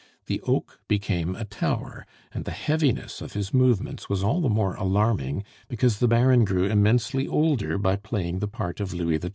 The oak became a tower, and the heaviness of his movements was all the more alarming because the Baron grew immensely older by playing the part of Louis XII.